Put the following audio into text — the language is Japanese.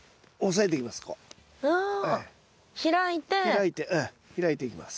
開いてええ開いていきます。